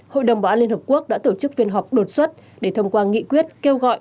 hội đồng bảo an liên hợp quốc đã tổ chức phiên họp đột xuất để thông qua nghị quyết kêu gọi